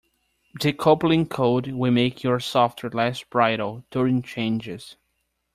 Decoupling code will make your software less brittle during changes.